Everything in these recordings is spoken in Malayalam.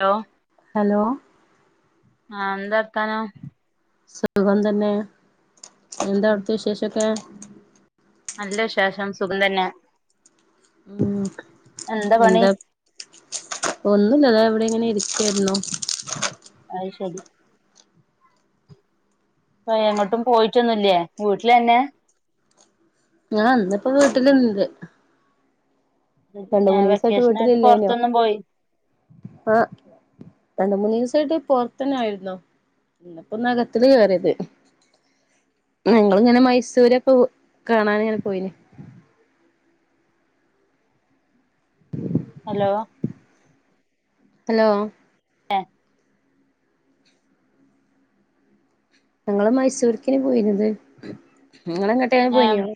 ലോ ഹലോ ആഹ എന്താ [unintelligible] സുഖം തന്നെ എന്താ അവിടുത്ത വിശേഷൊക്കെ നല്ല വിശേഷം സുഖം തന്നെ. ഉം എന്താ ഒന്നു ഇല്ല ദേ ഇവി ടിങ്ങനെ ഇരിക്കെരുന്നു. ആയ് ശരി. അ എങ്ങോട്ടും പോയിട്ടൊന്നുംല്ലേ വീട്ടിലന്നെ? ഞാൻ ഇന്നിപ്പോ വീട്ടില് ഇണ്ട്. ആ വെക്കേഷൻ ആയിട്ട് വീട്ടിലില്ലേനോ പൊറത്തൊന്നും പോയി ആഹ് രണ്ട് മൂന്ന് ദിവസായിട്ട് പോറത്തന്നെ ആയിരുന്നു. ഇന്നിപൊന്നകത്തില് കേയറിയത്. ഞങ്ങളിങ്ങനെ മൈസൂരൊക്ക കാണാനു ഇങ്ങനെ പോയിന്. ഹലോ ഹലോ ആ ഞങ്ങള് മൈസൂർക്കിനി പോയിരുന്നത്. നിങ്ങളെങ്ങട്ടേ ഏ പോയിനിയോ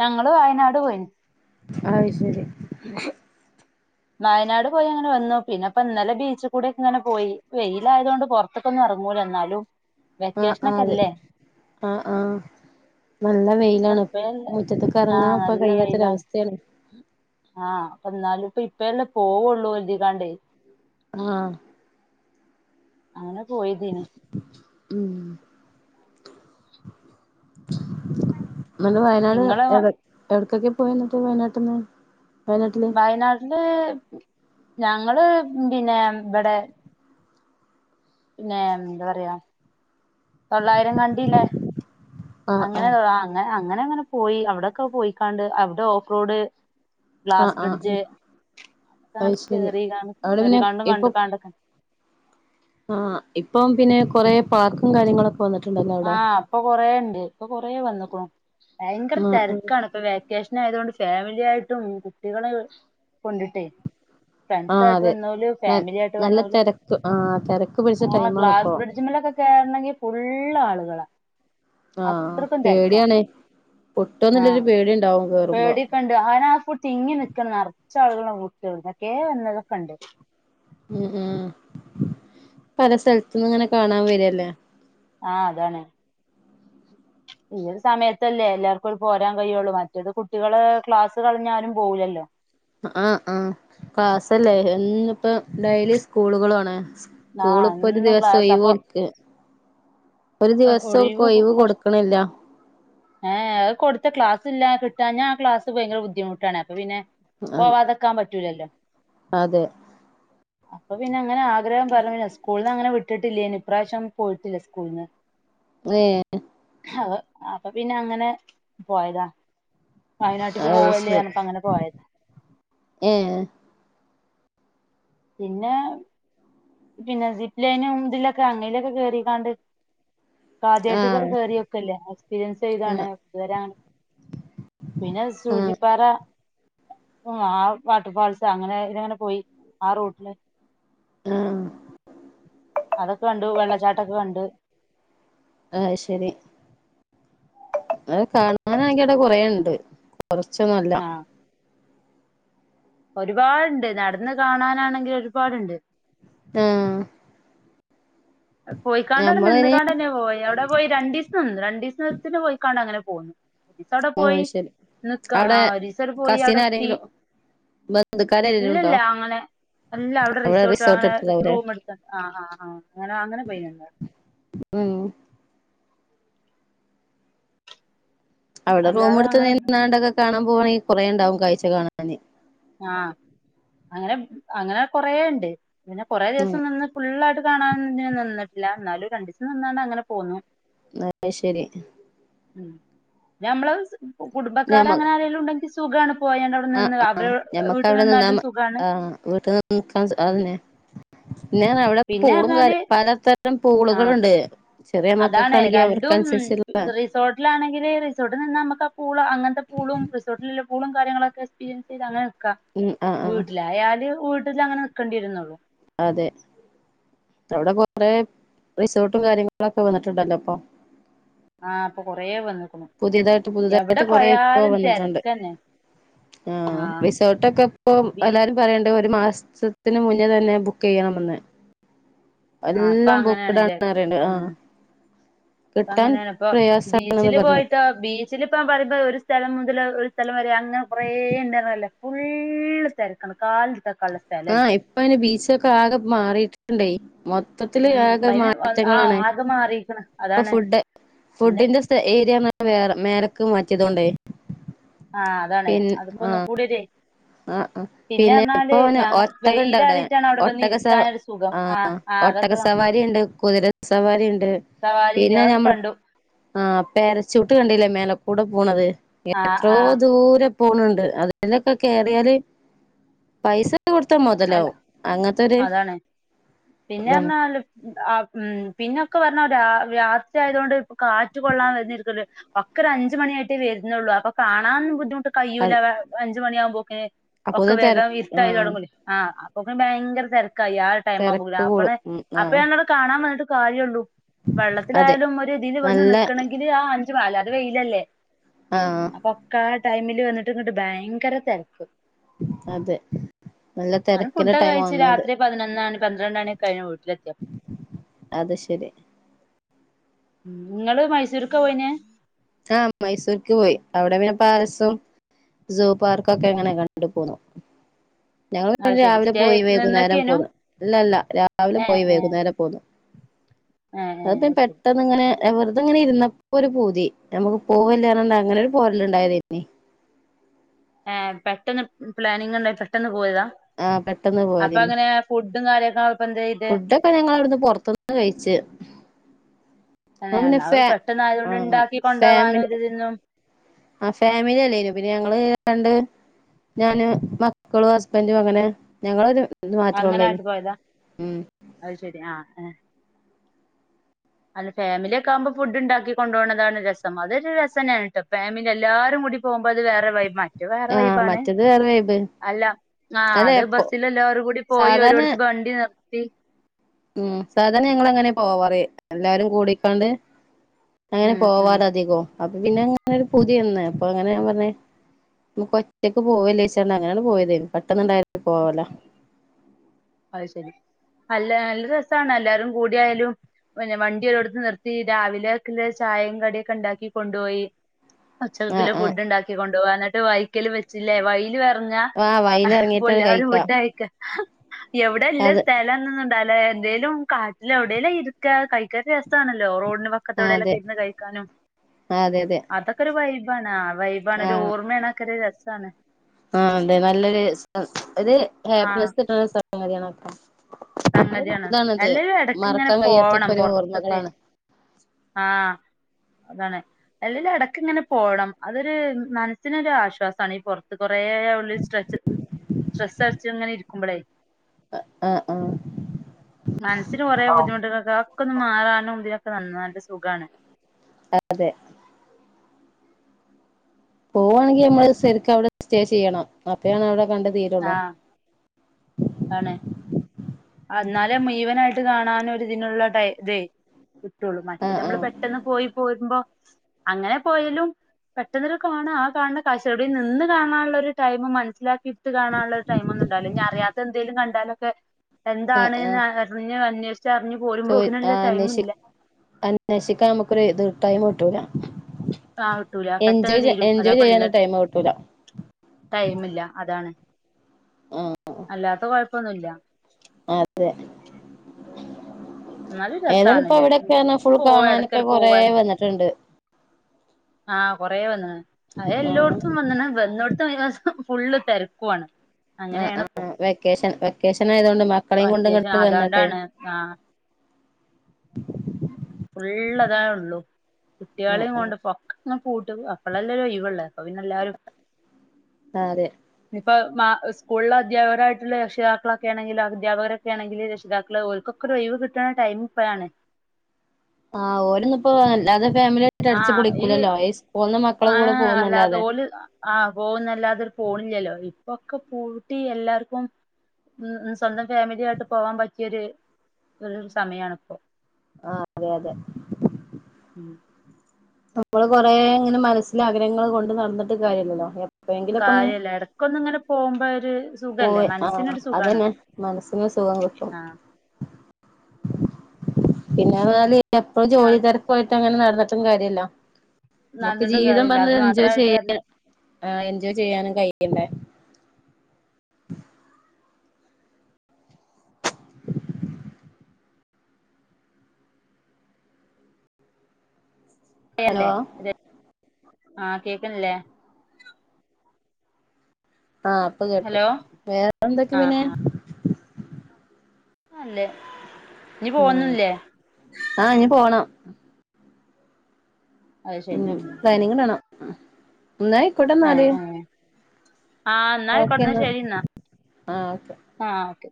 ഞങ്ങള് വയനാട് പോയിന് അത് ശരി വയനാട് പോയി ഞങ്ങള് വന്നു പിന്നെപ്പോ ഇന്നലെ ബീച്ച് കൂടൊക്കെ ഇങ്ങനെ പോയി വെയിലായത് കൊണ്ട് പൊറത്ത്ക്കൊന്നും എറങ്ങൂല ഇന്നാലും ആ ആ അതെ ആ ആഹ് നല്ല അപ്പ വെയിലാണ് ഇപ്പഴല്ലേ മുറ്റത്തക്ക് ആ എറങ്ങാ ഇപ്പ നല്ല കഴിയാത്തൊരവസ്ഥയാണ് ആഹ് അപ്പ എന്നാലും ഇപ്പ ഇപ്പഴല്ലേ പോവുള്ളൂ [unintelligible] ആഹ് അങ്ങന പോയതേനീ ഉം നിങ്ങള് വയനാട് നിങ്ങള് എവിടെ എവിടക്കൊക്കെ [unintelligible] വയനാട്ടിന്ന് വയനാട് [unintelligible] ഞങ്ങള് പിന്നെ ഇബടെ പിന്നെ എന്താ പറയാ തൊള്ളായിരം കണ്ടില്ലേ ആഹ് അങ്ങനെ ആഹ് അങ്ങനാ അങ്ങനെ അങ്ങനെ പോയി അവിടൊക്കെ പോയിക്കാണ്ട് അവിടെ ഓഫ്റോഡ് ആഹ് ഗ്ലാസ് ആഹ് ഉം ബ്രിഡ്ജ് ഒക്കെ അത് അങ്ങ് ശരി കേറിക്കാണ്ടും അവിടെ പിന്നെ കേറിക്കാണ്ടും ഇപ്പൊ കണ്ട് കാണ്ടു ആഹ് ഇപ്പം പിന്നെ കൊറെ പാർക്കും കാര്യങ്ങളൊ ആഹ് ഇപ്പൊ കൊറേണ്ട് ഇപ്പൊ കൊറേ വന്ന്‌ക്ക്ണു ഭയങ്കര ആഹ് ആഹ് തെരക്കാണ് ഇപ്പൊ വെക്കേഷ നായതോണ്ട് ഫാമിലി ആയിട്ടും കുട്ടികളെ കൊണ്ടിട്ടേ ഫ്രണ്ട്സ് ആഹ് ആയിട്ട് അതെ വന്നോല് ന ഫാമിലി ആയിട്ട് നല്ല വന്നോല് തെരക്ക് ആഹ് തെരക്ക് പിടിച്ച ടൈമാണ്പ്പൊ [unintelligible] ഫു ള്ളാളുകളാ ആഹ് അത്രക്കും തെരക്കാ പേടിയാണ് പൊട്ടോന്നുള്ളൊരു ആഹ് പേടിണ്ടാവും കേറുമ്പോ പേടിക്കെണ്ട് അയിനാ ഫുൾ തിങ്ങി ന്ക്കാണ് നർ ച്ചാളുകളാ അങ്ങോട്ട് കേറ്ന്നെ എവിട്ന്നക്കെ വന്നതൊക്കണ്ട് ഉം ഉം പല സ്ഥലത്തുന്ന്‌ ഇങ്ങനെ കാണാൻ വര് അല്ലേ ആഹ് അതാണ് ഈ ഒരു സമയത്തല്ലേ എല്ലാർക്കും ഒരു പോരാൻ കഴിയുള്ളു മറ്റത് കുട്ടികള ക്ലാസ് കളഞ്ഞാലും പോവൂലല്ലോ ആ ആ ക്ലാസ്ലലേ എന്നും ഇപ്പോ ഡെയ്ലി സ്കൂളുകളാണ് സ്കൂൾ ആഹ് ഇപ്പൊ ഒരു എന്നും ദിവസം ക്ലാസ് അപ്പൊ ഒയിവോൽക്ക് ഒഴിവ് കൊ കൊടുക്കണില്ല ഏ അത് കൊടുത്ത ക്ലാസ്ല്ല്ലാ കി ഞാ ആ ക്ലാസ് ഭയര ബുദ്ധിമുട്ടാണ് അപ്പ പിന്നെ ആഹ് പോവാതെക്കാൻ പ റ്റൂലല്ലോ അതെ അപ്പൊ പിന്നെ അങ്ങനെ ആഗ്രഹം പറഞ്ഞ സ്കൂളി അതങ്ങനെ വിട്ടിട്ടില്ലേനി ഇപ്രാവശ്യം പോയിട്ടില്ല സ്കൂള്ന്ന് ഏ അ അപ്പൊ പിന്നെ അങ്ങനെ പോയതാ വയനാട്ട്ക്ക് അത് ശരി പോവല്ലേർന്നപ്പ അങ്ങനെ പോയത ഏഹ് പിന്നെ പിന്നെ സിപ്ലൈനും ഇ തിലൊക്കെ അങ്ങേലൊക്കെ കേറിക്കാണ്ട് ആദ്യായിട്ട് ആഹ് കേറിയോക്കല്ലേ എക്സ്പീരിയൻസ് ചെയ്താണ് ആഹ് ഇതുവരാണ് പിന്നെ ആഹ് സൂചിപ്പാറ ആ ആ വാട്ടർ ഫാൾസ് അങ്ങനെ ഇതി ലങ്ങനെ പോയി ആ റോട്ടില ആ അതൊക്കെ കണ്ടു വെള്ളച്ചാട്ടൊക്കെ കണ്ട് ആയ് ശരി അ കാണാനാണങ്കിവിടെ കുറേണ്ട് കൊർച്ചെന്നല്ല ഒരുപാട്ണ്ട് നട്ന്ന് കാണാനാണെങ്കിൽ ഒരുപാട്ണ്ട് ആ പോയിക്കാണ്ട് അടെ നിന്നുകാണ്ട ന്നെപോയി അവിടെ പോയി രണ്ടീസം നിന്നു രണ്ടീസ്ത്തിന് പോയിക്കാണ്ടങ്ങനെ പോന്ന് ഒരീസവ്ടെ പോയി ആഹ് ശരി നിക്കാ ആ അവിടെ ഒരീസവ് ടെ പോയി കസിൻ അവിടെത്തി ആരെങ്കിലും ബന്ധുക്കാര് ആരെങ്കിലും ഇല്ലല്ല ഉണ്ടോ അങ്ങനെ അല്ല അവിടെ റിസോർട്ട് അ റൂം എടുക്ക ആ ആ ആ ആ അങ്ങനെ പൊയ്ന്നതാ ഉം അവടെ റൂം അല്ലാതെ എട്ത്ത് അങ്ങനെ നിന്നാണ്ടൊക്കെ കാണാൻ പോവാ കുറേണ്ടാവും കാഴ്ച കാണാന് ആഹ് അങ്ങനെ അങ്ങനെ കൊറേ ഇണ്ട് പിന്നെ കൊറേ ഉം ദിവസം നിന്ന് ഫുള്ളായിട്ട് കാണാന് നിന്ന്ട്ടില്ല ഇ ന്നാലും രണ്ടീസം നിന്നാണ്ടാണ്ടങ്ങനെ പോന്നു ആയ് ശരി ഉം ഞമ്മള് [unintelligible] കുടുംബക്കാർ അങ്ങനെ ആരേലും ഉണ്ടങ്കി സുഖാണോ? ആഹ ആഹ ഞമ്മക്ക് അവിടെ നിന്നാ സുഖാണ് ആഹ വീടിലെ നിക്കാൻ ഉം അതന്നെ. പിന്നെ അവിടെ പിന്നെ പൂളും പറഞ്ഞാല് കാര്യ പലതരം ആഹ പൂളുകളുണ്ട് ചെറിയ അതാണ് മക്കൾക്കാണെങ്കി രണ്ടും അവർക്കനുസരിച്ചുള്ള റിസോർട്ടിലാണെങ്കിൽ റിസോർട്ടിൽ നിന്ന് നമുക്ക് ആ പൂള അങ്ങനത്തെ പൂളും റിസോർട്ടിലല്ല സ്കൂളും കാര്യങ്ങളും ഒക്കെ എക്സ്പീരിയൻസ് ചെയ്ത് അങ്ങ ഉം ആഹ് ആഹ് വീട്ടിലായല് വീ അ അങ്ങന നിക്കേണ്ടിവരുന്നുള്ളു അതെ അവിടെ കൊറെ റിസോർട്ടും കാര്യങ്ങളൊക്കെ വന്നിട്ടുണ്ടല്ലോ അപ്പൊ ആഹ് ഇപ്പൊ കൊറേ വന്ന്ക്ക്ണു പുതിയതായിട്ട് എവിടെ പുതിയതായിട്ട് കൊറെ ഇപ്പ പോയാലും വന്നിട്ടുണ്ട്. തിരക്കന്നെ ആ ആഹ് റിസോർട്ടൊക്കെ ഇപ്പൊ ബീ എല്ലാരും പറയണ്ട ഒരു മാസ ത്തിന് മുന്നേ തന്നെ ബുക്ക് ചെയ്യണമെന്ന് ആ അപ്പൊ എല്ലാം ബുക്ക്ഡാണ് അങ്ങനെയണല്ലേ പറയണ്ട് ആഹ് ഉം കിട്ടാൻ അങ്ങനെയാണ് അപ്പൊ പ്രയാസാണെന്ന് ബീച്ചില് പറഞ്ഞ് പോയിട്ടോ ബീച്ചിലിപ്പ [unintelligible] ഒരു സ്ഥലം മുതല ഒരു സ്ഥലം വരയാ അങ്ങെ കുറെ ഉണ്ടാരുന്നല്ലോ. ഫുള്ള് തിരക്കാണ് കാലത്ത ആ ഇപ്പെ ബീച്ചൊക്കെ ആകെ മാറിട്ട ട്ടെ മൊത്തത്തില് ഉം ആകെ അതിന് ആഹ് മാറ്റങ്ങളാണ്. ആകെ മാറിക്കണ് ഇപ്പൊ അതാണ് ഫുഡ് പിന്നെ ഫുഡിന്റെ ഏരിയാന്ന് പറഞ്ഞ വേറെ ക് മാറ്റിയതോണ്ടേ ആ അതാാണ് പിന്നെ അതിപ്പോ ഒന്നും ആഹ് കൂടിട ആഹ് ആഹ് പിന്നെ ഇപ്പൊ ന്നാല് ഓന് ഞങ്ങ ഒട്ടകണ്ട് വെയിലറിയിട്ടാണ് അവിടെ വന്ന് ഒട്ടക സ ഇരിക്കാനൊരു സുഖം ആ ആഹ് ആ അതൊക്കെ ഒട്ടക വ സവാരി ഇണ്ട് കുതിര സവാരി ഇണ്ട് സവാരീന്റെ അതൊക്കെ കണ്ടു ആ പേരച്ചൂട്ട് കണ്ടല്ലേ മേലെ കൂടെ പോണത്. ആഹ് എത്രോ ആഹ് ദൂരം പോണണ്ട് അതിലൊക്കെ കേറിയല് പൈസ കൊടുത്താ അല്ല മൊതലാവും അങ്ങനത്തൊരു അതാണ് ഇതാണ് പിന്നൊല് ആ ഉം പിന്നെ ഒക്കെ പറഞ്ഞ രാത്രിയത കൊണ്ട് കാറ്റ് കൊള്ളാൻ വരിരിക്ക ഒക്കെ ഒരു അഞ്ച മണിയായിയിട്ട് വരുന്നുള്ളൂ അപ്പൊ കാണാൻ ബുദ്ധി കഴ്യൂല്ല അത് അഞ്ച് മണിയാകുമ്പോക്കെ ഒക്കെ അപ്പൊത് തെര വേഗം ഇരുട്ടായി ആഹ് തുടങ്ങൂല്ലേ ആ അപ്പൊക്കെ ഭയങ്കര തെര കയ്യ ആ ടൈംമാ തെരക്ക് അപ്പ കൂടും ഉം അപ്പൊ ആഹ് ങ്ങട് കാണാൻ [unintelligible] കാര്യള്ളൂ അതെ വെള്ളത്തിലായാലും ഒരു ഇതിൽ വന്ന് നല്ല നൽക്കണമെങ്കില് ആ [unintelligible] അത് വെയിലല്ലേ ആഹ് അപക്കാൽ ടൈമില് വന്നിട്ട് ഇങ്ങട്ട് ഭയങ്കര തിരക്ക് അതെ നല്ല ഞാൻ തെരക്കിന്റെ ഫുഡൊക്ക ടൈം കഴിച്ചു വന്നത് രാത്രി പതിനൊന്ന് പന്ത്രണ്ടണികഴിഞ്ഞ [unintelligible] അത് ശെരി ഇങ്ങള് മൈസൂർക്കാ പോയിന്യെ ആഹ് മൈസൂർക്ക് പോയി അവിടെ പിന്നെ പാലസും സൂ പാർക്കും ഒക്കെ എങ്ങനെ കണ്ടു പോന്നു ഞങ്ങൾ അത് ശരി രാവിലെ സ്റ്റേ പോയി വൈകുന്നേരം നിന്നക്കേനു പോന്നു ഇല്ലല്ല രാവിലെ ഏ പോയി ഏ വൈകുന്നേരം പോന്നു ഏ ഏ അതിപ്പം അത് ശരി പെട്ടന്ന് ഇങ്ങനെ വെറുതെ അങ്ങനെ ഇരുന്നപ്പോ ഒരു പൂതി ഞമക്ക് പോവല്ലേ പറഞ്ഞാണ്ട് അങ്ങനൊരു പോരല് ഇണ്ടായതേനി ഏ പെട്ടെന്ന് പ്ലാനിങ് ഇണ്ടായി പെട്ടന്ന് പോയതാ ആഹ് പെട്ടന്ന് അപ്പൊ പോയതിന് അങ്ങനെ ഫുഡും കാര്യൊക്കെ ഇപ്പ എന്ത ചെയ്ത് ഫുഡൊക്കെ ഞങ്ങവിടുന്ന് പുറത്തന്ന് കഴിച്ച് തന്നെ പിന്നെ അത് പെട്ടെന്ന് ആയതുകൊണ്ട് ആ ഉണ്ടാക്കി കൊണ്ടോവാനും ഫാമിലി ഒരു ഇതിന്നും ആ ഫാമിലി അല്ലേനു പിന്നെ ഞങ്ങള് രണ്ട് ഞാന് മക്കളും ഹസ്ബന്റ്അങ്ങനെ ഞങ്ങളരു അങ്ങനെ ആയിട്ട് പോയതാ അത് ശെരി. ആ അല്ല ഫാമിലിയ ഒക്കെകുമ്പോൾ ഫുഡ് ഉണ്ടാക്കി കൊണ്ട പോകണതാണ് രസം. അതൊരു രസംനെയാണ് കേട്ടോ ഫാമിലി എല്ലാരും കൂടി പോകുമ്പോ അത് വേറെ വൈബാണ്. അത്‌വേറെ ആഹ് വൈബാണ് മറ്റത് വേറെ വൈബ് അല്ല ആ അല്ല അത് എപ്പോ ബസ്സിൽ എല്ലാവരും കൂടി പോയി സാധാരണ ഓരോടുത്ത് വണ്ടി നിർത്തി [unintelligible] ഉം സാധാരണ ഞങ്ങ ൾഅങ്ങനെ പോവാറ്എല്ലാരും കൂടിക്കൊണ്ട് അങ്ങനെ ഉം ഉം പോവാറധികോ അപ്പൊ പിന്നെ അങ്ങന ഒരു പുതിയന്ന അപ്പൊ അങ്ങനെ ഞാൻ പറഞ്ഞ നമുക്ക് ഒറ്റക്ക് പോവല്ലേച്ചണ്ട അങ്ങനെയാണ് പോയതാപെട്ടന്നുണ്ടായി പോവല. അത് ശെരി അല്ല നല്ല രസണ് എല്ലാരും കൂടിയായാലും പിന്നെ വണ്ടിരടുത്ത് നിർത്തി രാവിലെക്ക ചായയും കടിയൊക്കെ ഉണ്ടാക്കി കൊണ്ടുപോയി. പച്ചക്കില ആഹ് ആഹ് ഫുഡ് ഉണ്ടാക്കിക്കൊ [unintelligible] വയിക്കല് വച്ചില്ലെ വയി ലും എർങ്ങാ ആഹ് [unintelligible] വയലിറങ്ങിട്ട് എല്ലാരും കഴിക്കാം ഫുഡയിക്കാ എവിടെല്ല അത് സ്ഥലംന്നൊന്ന ഇണ്ടാലേ എന്തേലും കാട്ടിൽ എവിടേലും ഇരിക്കാ കയ്ക്കാനരു ആണല്ലോ റോഡിന് ആഹ് അതെ വക്കത്തവിടെലൊക്കെ ഇന്ന് കഴിക്കാനും ആഹ് അതെ അതെ അതൊക്കെ ഒരു വൈബ് ഇപ നാൾ വൈബ ആണ് ഒരു ഓർമ്മയണക്ക രസം അതാണ്. ആഹ അതെ നല്ലൊരു സ് ഒര് ആ ഹാപ്പിനെസ് കിട്ടണ സ്ഥലം [unintelligible] സംഗതിയാണ്. എല്ലല്ലും ഇടക്ക്ഇങ്ങനെ മറക്കാൻ കഴിയാത്തൊക്കെ പോവണം ഒരു പുറത്തൊക്കെ ഓർമ്മകളാണ് ആഹ് അതാണ് അല്ലിൽ ഇടക്ക് ഇങ്ങനെ പോകണം. അതൊരു മനസ്സിനൊരു ആശ്വാസമാണ് ഈ പുറത്ത് കൊറെേ ഉള്ള സ്ട്രെസ്സ് സ്ട്രെസ് അരച്ച് ഇങ്ങനെ ഇരിക്കുമ്പോഴേ ആഹ് ആഹ് മൻസില് കൊറേ ബുദ്ധിമുട്ടുകളൊക്കെ അതൊക്കൊന്ന് മാറാനും ഇ വന്നാൽ സുഖാണ് അ തെ പോവാണെങ്കിൽ നമ്മള് സരിക്കവിടെ സ്റ്റേ ചെയ്യണം അപ്പഴാണ് അവിടെ കണ്ടു തീരൊള്ളൂ ആഹ് ആണ് വന്നാൽമുഴുവനായിട്ട് കാണൻ ഒരുതിനുള്ള ടൈ തെ കിട്ടുള്ളൂ മറ്റേ ആഹ് നമ്മള് ആഹ് പെട്ടെന്ന് പോയി പോരുമ്പോ അങ്ങനെ പോയലും പെട്ടെന്നൊരു കാണ ആ കാണുന്ന കാശോടിൽ നിന്ന് കാണാനുള്ള ഒരു ടൈം മനസ്സിലാ ഇട്ട് കാണാനുള്ള ടൈംഒന്നുംണ്ടല്ല അറിയാതെ എന്തങ്കിലും കണ്ട് ഇട്ടലൊക്കെ എന്താണ് ന്ന അറിഞ്ഞു വ ചോ അന്വേഷി അന്വേഷിക്കാൻ നമുക്കൊരു എതിർ ടൈംമ് കി ട്ടൂല്ല ആഹ് കിട്ടൂല പെട്ടെന്ന് തീരും അതാ ചെയ്യാന് പ്പള്ളത് ടൈം കിട്ടൂല ടൈമില്ല അതാണ് അല്ലാത്ത കുഴപ്പ പ്പൊന്നൂല്ല അതെ എന്നാലും ഏതാലും ഇപ്പോ രസാണ്ല്ലേ അവിടൊക്കെ ഫുൾ പോവ കാണാനൊക്കെ എടക്കൊരു കൊറെ വന്നിട്ട്ണ്ട് ആഹ് കൊറെ വന്ന്ണ് അത് ആഹ് എല്ലോട്ത്തും വന്ന്ണ് വന്നോട് [unintelligible] ഫുള്ള് തിരക്കുവാണ് ആ ആ വെക്കേഷൻ വെക്കേഷൻ ആയതുകൊണ്ട് മക്കളെയും കൊണ്ട് വെക്കേഷൻ ഇങ്ങോട്ട് വന്നാട്ടെ അതാണ്ടാണ് ഉ ഫുള്ളതാ ഉള്ളു ആഹ് കുട്ടികളെയും കൊണ്ട് പൊക്ക് ആ പൂട്ടും അപ്പളെല്ലേ ഒരു ഒഴിവ് ഉള്ളേ അപ്പം പിന്നെ എല്ലാരും ആഹ് അതെ ഇപ്പം മാ സ്കൂളിലെ അധ്യാപകരായിട്ടുള്ള രക്ഷിതാക്കളക്കെ ആണെങ്കിൽ അധ്യാപകരൊക്കെ ആണെങ്കില് രക്ഷിതാക്കള് ഓർക്കൊക്കെ ഒരു ഒഴിവ് കിട്ടണ ടൈം ഇപ്പഴാണ്. ആ ഓന്‌നുപ്പൊ അല്ലാതെ ഫാമിലിയായിട്ട് ആ അടിച്ച് ഈ പൊളിക്കൂലല്ലൊ യെസ് [unintelligible] ആ അല്ലാതെ ഓല് ആ പോകുന്നല്ലാതെ പോണില്ലല്ലോ ഇപ്പൊക്കെ പൂട്ടി എല്ലാർക്കും ഉ സ്വന്തം ഫാമിലി ആയിട്ട് പോവാൻ പറ്റിയൊരു ഒരു സമയം ആണ് ഇപ്പോ ആ അതെ അതെ ഉം നമ്മള് കൊറെ ഇങ്ങനെ മനസ്സിൽ ആഗ്രഹങ്ങൾ കൊണ്ട് നടന്നിട്ട് കാര്യയില്ലല്ലോ കാര്യ അല്ല ഇടക്കൊന്ന് ഇങ്ങനെ പോമ്പോ ഒരു സുഖല്ലേ പോയ് ആ ആ മനസ്സിനൊരു സുഖാണ് അതന്നെ മനസ്സിന് സുഖം കിട്ടും ആ പിന്നെ [unintelligible] എപ്പളും ജോലിതിരക്കുവായിട്ട് അണ് നടന്ന ഒന്നും കാര്യയില്ല നമുക്ക് നടന്നിട്ടും ജീവിതം കാര്യല്ല വന്ന് അത് എൻജോയ് മാത്രായിട്ട് ചെയ്യാൻ ആ എൻജോയ് ചെയ്യാനും കഴികണ്ടേ ഹലോ അല്ലേ ആ കേക്കുന്നില്ലേ ആ അപ്പം കേട്ട് ഹലോ വേറെ എന്തൊക്കെ ആ പിന്നെ ആ അല്ലേ ഇനി ഉം പോന്നില്ലേ ആഹ് ഇനി പോണം അത് ശരി ഉം ആ. മുന്നാഴി കെടംനാല്. ആ എന്നായി കെടന്നോ ശരി എന്നാ ആഹ് ഓക്കെ ആ ഓക്കെ